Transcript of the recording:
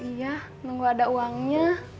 iya nunggu ada uangnya